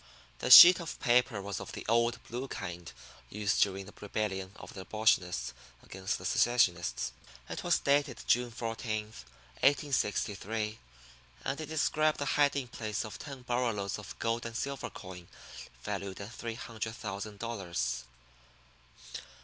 The sheet of paper was of the old, blue kind used during the rebellion of the abolitionists against the secessionists. It was dated June 14, 1863, and it described the hiding place of ten burro loads of gold and silver coin valued at three hundred thousand dollars.